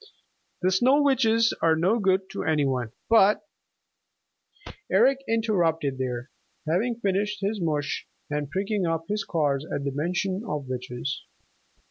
The Snow Witches are no good to any one. But '" Eric interrupted there, having finished his mush and pricking up his cars at the mention of witches.